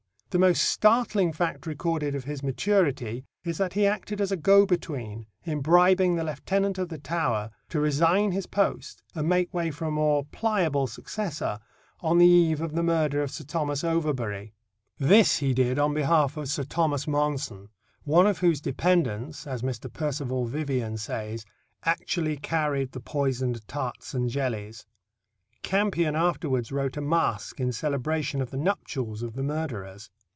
The most startling fact recorded of his maturity is that he acted as a go between in bribing the Lieutenant of the Tower to resign his post and make way for a more pliable successor on the eve of the murder of Sir Thomas Overbury. This he did on behalf of Sir Thomas Monson, one of whose dependants, as Mr. Percival Vivian says, "actually carried the poisoned tarts and jellies." Campion afterwards wrote a masque in celebration of the nuptials of the murderers.